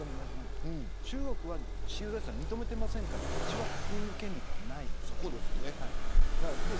中国は私有財産を認めていないので土地は国民の権利ではないんです。